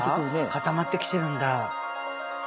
固まってきてるんだ。